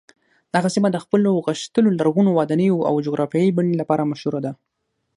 دغه سیمه د خپلو غښتلو لرغونو ودانیو او جغرافیايي بڼې لپاره مشهوره ده.